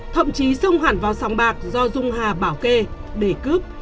thậm chí xông hẳn vào sòng bạc do dung hà bảo kê để cướp